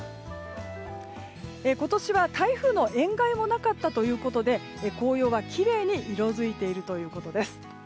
今年は台風の塩害もなかったということで紅葉はきれいに色づいているということです。